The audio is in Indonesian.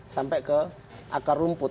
sampai ke akar rumput